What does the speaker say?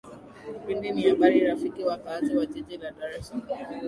kipindi ni habari rafiki wakaazi wa jiji la dar es salaam